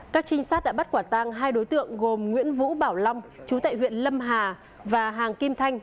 các trinh sát đã bắt quả tang hai đối tượng gồm nguyễn vũ bảo long chú tại huyện lâm hà và hàng kim thanh